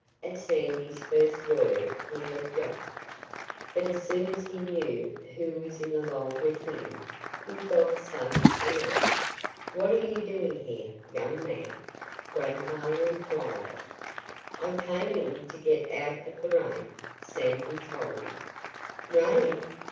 At Sandy's first word he had jumped. But as soon as he knew who was in the log with him he felt safe enough. "What are you doing here, young man?" Grandfather inquired. "I came in to get out of the rain," Sandy told him. "Rain!"